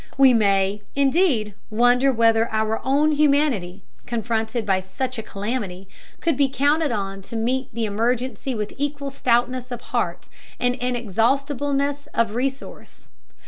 We may, indeed, wonder whether our own humanity, confronted by such a calamity, could be counted on to meet the emergency with equal stoutness of heart and inexhaustibleness of resource.